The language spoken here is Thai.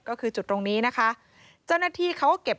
ก็คือจุดตรงนี้นะคะเจ้าหน้าที่เขาก็เก็บ